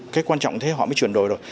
cái quan trọng thế họ mới chuyển đổi rồi